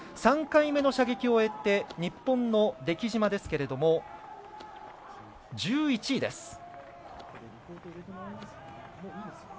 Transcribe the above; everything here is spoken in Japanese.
３回目の射撃を終えて日本の出来島ですけど１１位です。